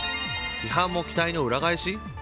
批判も期待の裏返し？